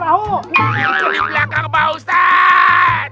di belakang pak ustaz